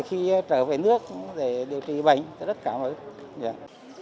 khi trở về nước để điều trị bệnh rất cảm ơn